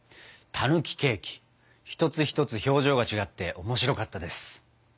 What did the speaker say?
たぬきケーキ一つ一つ表情が違って面白かったです。